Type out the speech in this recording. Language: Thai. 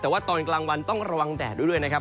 แต่ว่าตอนกลางวันต้องระวังแดดด้วยนะครับ